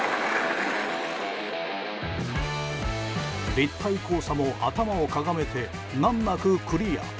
立体交差も頭をかがめて難なくクリア。